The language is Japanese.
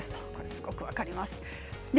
すごく分かります。